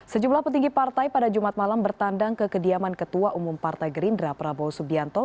sejumlah petinggi partai pada jumat malam bertandang ke kediaman ketua umum partai gerindra prabowo subianto